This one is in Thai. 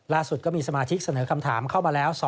ก็มีสมาชิกเสนอคำถามเข้ามาแล้ว